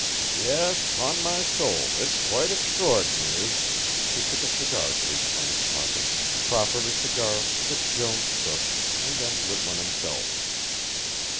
"Yes, 'pon my soul, it's quite extraordinary," he took a cigar case from his pocket, proffered a cigar which Jones took, and then lit one himself.